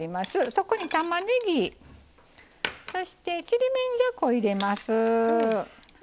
そこにたまねぎそしてちりめんじゃこ入れます。